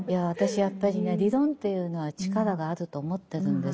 やっぱり理論っていうのは力があると思ってるんです。